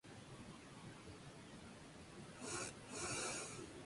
El objetivo principal de este evento es impulsar y desarrollar la pauta ambiental.